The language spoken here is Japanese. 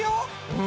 うん。